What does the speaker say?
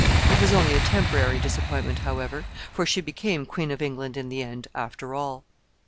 It was only a temporary disappointment, however, for she became Queen of England in the end, after all.